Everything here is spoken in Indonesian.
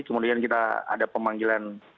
kemudian kita ada pemanggilan